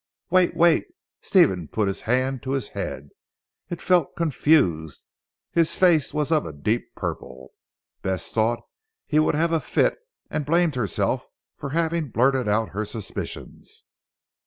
"Wait! Wait" Stephen put his hand to his head. It felt confused. His face was of a deep purple. Bess thought that he would have a fit and blamed herself for having blurted out her suspicions.